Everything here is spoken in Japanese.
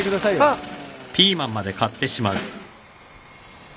あっ！